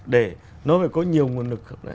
để nó phải có nhiều nguồn lực